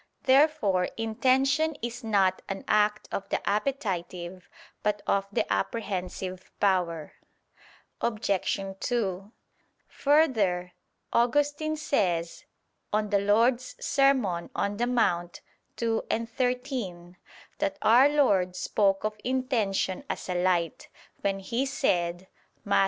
Therefore intention is not an act of the appetitive but of the apprehensive power. Obj. 2: Further, Augustine says (De Serm. Dom. in Monte ii, 13) that Our Lord spoke of intention as a light, when He said (Matt.